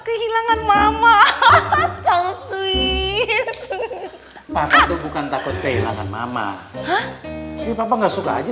kehilangan mama hahaha so sweet papa tuh bukan takut kehilangan mama tapi papa nggak suka aja